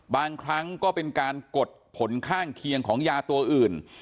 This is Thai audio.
บางครั้งก็เป็นการกดผลข้างเคียงของยาตัวอื่น